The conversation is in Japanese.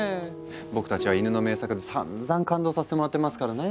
僕たちはイヌの名作でさんざん感動させてもらってますからね。